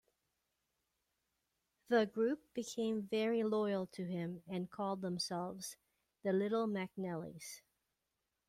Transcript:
The group became very loyal to him, and called themselves the "Little McNellys".